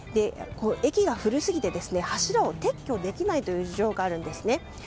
駅が古すぎて柱を撤去できないという事情があるんです。